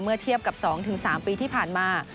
เทียบกับ๒๓ปีที่ผ่านมา